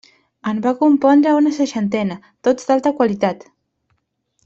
En va compondre una seixantena, tots d'alta qualitat.